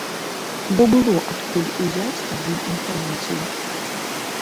Бо было адкуль ўзяць тады інфармацыю.